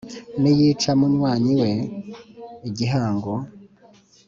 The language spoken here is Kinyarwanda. niyica munywanyi we igihango